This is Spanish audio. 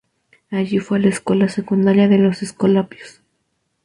Allí fue a la escuela secundaria de los escolapios.